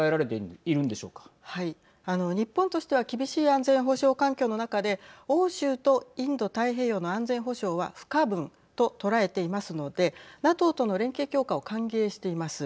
あの日本としては厳しい安全保障環境の中で欧州とインド太平洋の安全保障は不可分と捉えていますのでＮＡＴＯとの連携強化を歓迎しています。